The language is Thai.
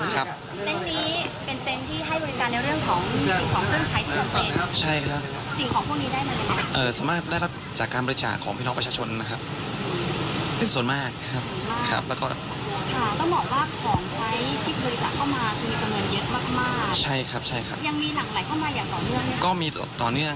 ความนิดนึงค่ะการที่ให้บริการในเรื่องของเพื่อนวงใช้ที่สมเต็ม